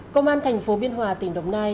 công an thành phố biên hòa tỉnh đồng nai